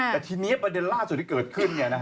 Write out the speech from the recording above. แต่ทีนี้ประเด็นล่าสุดที่เกิดขึ้น